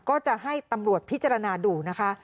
ก็จะให้ตำรวจพิจารณาดูนะคะ